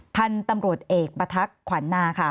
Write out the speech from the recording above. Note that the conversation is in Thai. พันธุ์ตำรวจเอกประทักษ์ขวัญนาค่ะ